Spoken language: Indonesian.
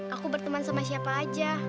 aku berteman sama siapa aja